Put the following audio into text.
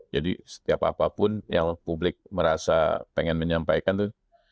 jadi setiap apapun yang publik merasa pengen menyampaikan itu